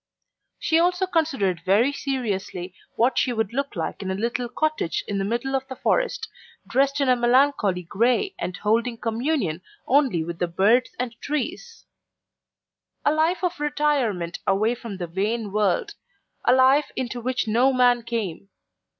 She also considered very seriously what she would look like in a little cottage in the middle of the forest, dressed in a melancholy grey and holding communion only with the birds and trees; a life of retirement away from the vain world; a life into which no man came.